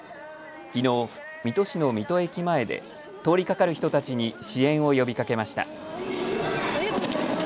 きのう、水戸市の水戸駅前で通りかかる人たちに支援を呼びかけました。